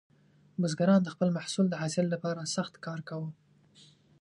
بزګران د خپل محصول د حاصل لپاره سخت کار کاوه.